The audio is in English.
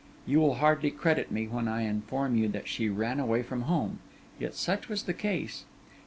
You will hardly credit me when I inform you that she ran away from home; yet such was the case.